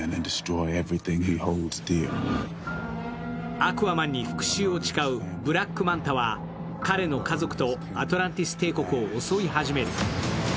アクアマンに復しゅうを誓うブラックマンタは彼の家族とアトランティス帝国を襲い始める。